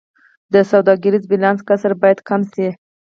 د سوداګریز بیلانس کسر باید کم شي